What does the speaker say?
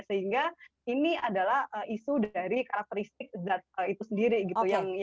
sehingga ini adalah isu dari karakteristik zat itu sendiri gitu